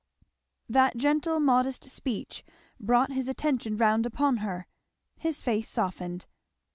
That gentle modest speech brought his attention round upon her. His face softened.